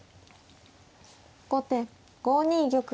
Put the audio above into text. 後手５二玉。